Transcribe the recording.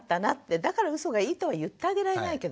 だからうそがいいとは言ってあげられないけどね。